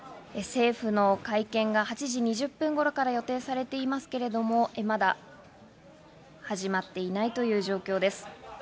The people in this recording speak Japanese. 政府の会見が８時２０分頃から予定されていますけれども、まだ始まっていないという状況です。